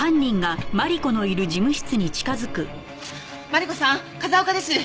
マリコさん風丘です。